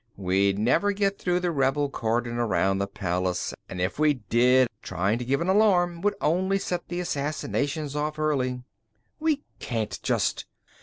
"We'd never get through the rebel cordon around the palace. And if we did, trying to give an alarm would only set the assassinations off early." "We can't just...."